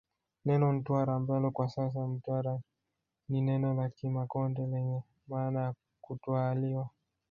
Neno Ntwara ambalo kwa sasa Mtwara ni neno la Kimakonde lenye maana ya kutwaaliwa